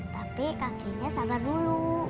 tapi kakeknya sabar dulu